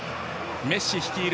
メッシ率いる